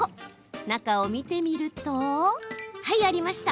中を見てみるとありました